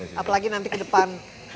apalagi nanti ke depan